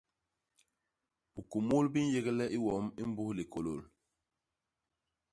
Bikumul bi nyégle i wom mbus likôlôl.